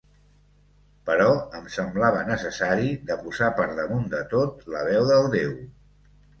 però em semblava necessari de posar per damunt de tot la veu del déu